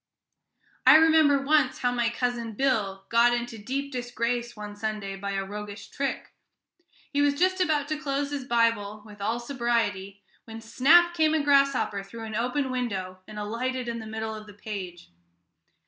I remember once how my Cousin Bill got into deep disgrace one Sunday by a roguish trick. He was just about to close his Bible with all sobriety, when snap came a grasshopper through an open window, and alighted in the middle of the page.